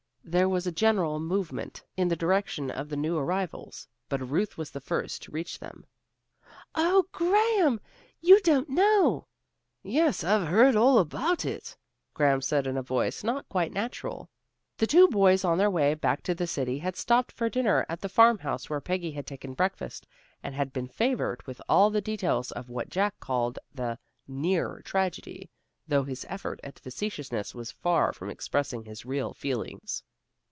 There was a general movement in the direction of the new arrivals, but Ruth was the first to reach them. "Oh, Graham! Oh, Graham! You don't know " "Yes, I've heard all about it," Graham said in a voice not quite natural. The two boys on their way back to the city had stopped for dinner at the farmhouse where Peggy had taken breakfast, and had been favored with all the details of what Jack called the "near tragedy," though his effort at facetiousness was far from expressing his real feelings.